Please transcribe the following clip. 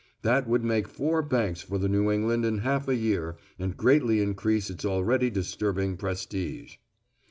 That would make four banks for the New England in half a year and greatly increase its already disturbing prestige.